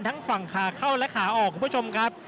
ทั้งฝั่งขาเข้าและขาออกคุณผู้ชมครับ